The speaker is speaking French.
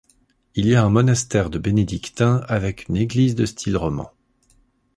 Il y a un monastère de Bénédictins avec une église de style roman.